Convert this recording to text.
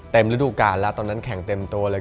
ฤดูกาลแล้วตอนนั้นแข่งเต็มตัวเลย